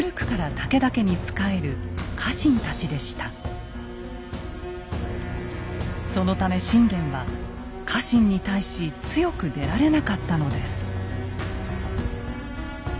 この時そのため信玄は家臣に対し強く出られなかったのです。